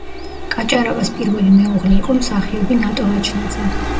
კაჭარავას პირველი მეუღლე იყო მსახიობი ნატო ვაჩნაძე.